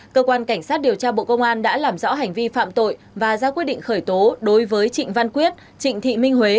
cơ quan cảnh sát điều tra bộ công an đã làm rõ hành vi phạm tội và ra quyết định khởi tố đối với trịnh văn quyết trịnh thị minh huế